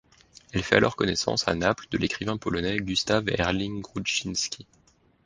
Elle fait alors connaissance à Naples de l'écrivain polonais Gustaw Herling-Grudziński.